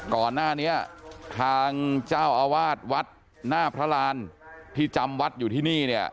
ก่อนหน้านี้ทางเจ้าอาวาสวัดหน้าพระรานที่จำวัดอยู่ที่นี่เนี่ย